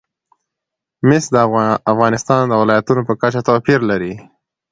مس د افغانستان د ولایاتو په کچه توپیر لري.